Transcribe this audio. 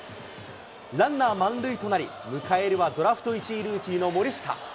ランナー満塁となり迎えるはドラフト１位ルーキーの森下。